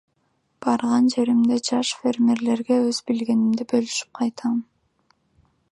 Барган жеримде жаш фермерлерге өз билгенимди бөлүшүп кайтам.